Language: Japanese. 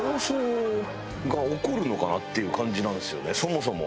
そもそも。